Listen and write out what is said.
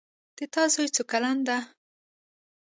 د تا زوی څو کلن ده